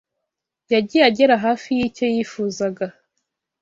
yagiye agera hafi y’icyo yifuzaga